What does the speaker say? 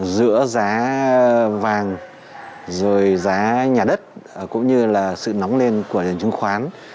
giữa giá vàng rồi giá nhà đất cũng như là sự nóng lên của nền chứng khoán